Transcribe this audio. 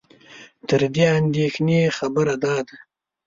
تر دې اندېښنې خبره دا ده